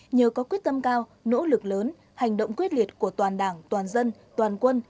nhờ có quyết tâm cao nỗ lực lớn hành động quyết liệt của toàn đảng toàn dân toàn quân